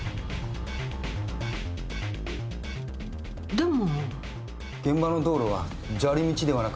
でも。